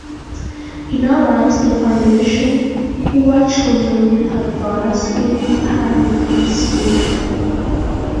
He now runs the foundation, "Poor Children Without Borders" in Panama City.